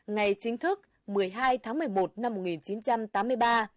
ngày chính thức một mươi hai tháng một mươi một năm một nghìn chín trăm tám mươi ba